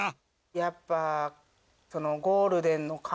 やっぱゴールデンの冠。